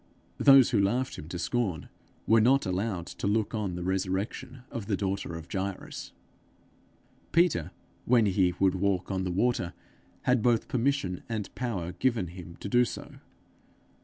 Those who laughed him to scorn were not allowed to look on the resurrection of the daughter of Jairus. Peter, when he would walk on the water, had both permission and power given him to do so.